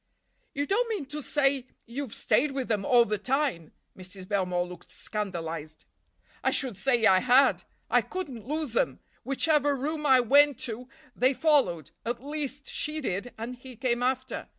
"You don't mean to say you've stayed with them all the time!" Mrs. Belmore looked scandalized. "I should say I had; I couldn't lose 'em. Whichever room I went to they followed; at least, she did, and he came after.